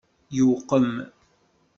Yewqem!